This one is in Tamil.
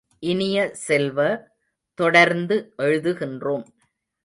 இனிய செல்வ, தொடர்ந்து எழுதுகின்றோம்.